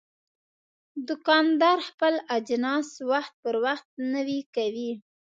دوکاندار خپل اجناس وخت پر وخت نوی کوي.